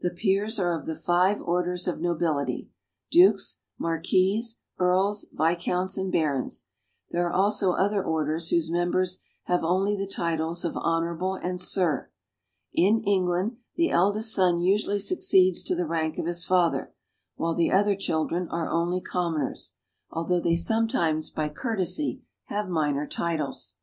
The peers are of the five orders of nobility: dukes, marquises, earls,, viscounts, and barons. There are also other orders whose members have only the titles of Honorable and Sir. In England the eldest son usually succeeds to the rank of his father, while the other children are only commoners, although they sometimes by courtesy have minor titles.